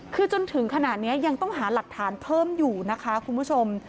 คือจนถึงขณะนี้ยังต้องหาหลักฐานเพิ่มอยู่นะคะคุณผู้ชม